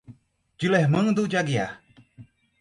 Dilermando de Aguiar